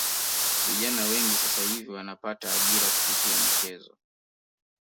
Vijana wengi sasa hivi wanapata ajira kupitia michezo